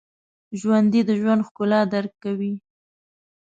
ژوندي د ژوند ښکلا درک کوي